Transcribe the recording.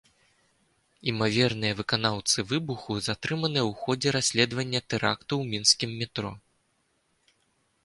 Імаверныя выканаўцы выбуху затрыманыя ў ходзе расследавання тэракту ў мінскім метро.